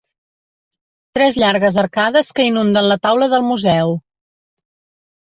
Tres llargues arcades que inunden la taula del museu.